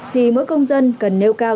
thì mỗi công dân cần nêu cao